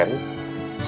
yang masih terkenal